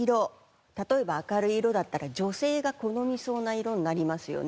例えば明るい色だったら女性が好みそうな色になりますよね。